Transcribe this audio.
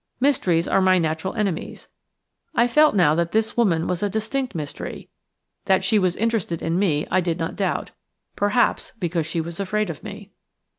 Mysteries are my natural enemies; I felt now that this woman was a distinct mystery That she was interested in me I did not doubt, perhaps because she was afraid of me.